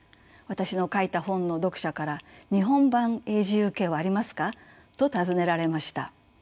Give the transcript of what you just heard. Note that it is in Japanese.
私の書いた本の読者から「日本版ＡｇｅＵＫはありますか？」と尋ねられました。